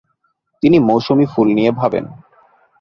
তিনি মৌসুমী ফুল নিয়ে ভাবেন।